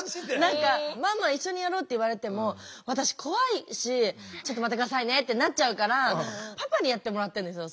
何か「ママ一緒にやろ」って言われても私怖いし「ちょっと待って下さいね」ってなっちゃうからパパにやってもらってるんですよ